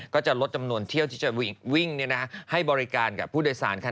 ก็จะลดจำนวนเที่ยวที่จะวิ่งให้บริการกับผู้โดยสารค่ะ